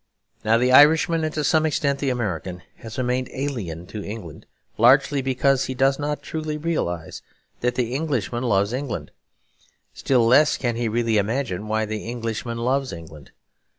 Now the Irishman, and to some extent the American, has remained alien to England, largely because he does not truly realise that the Englishman loves England, still less can he really imagine why the Englishman loves England.